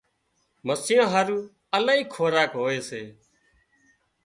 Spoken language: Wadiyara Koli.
مسيان هارو الاهي خوراڪ هوئي سي